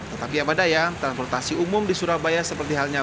tetapi apa daya transportasi umum di surabaya seperti halnya